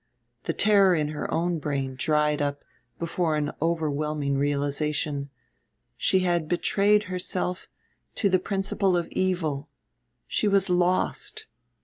The terror in her own brain dried up before an overwhelming realization she had betrayed herself to the principle of evil. She was lost.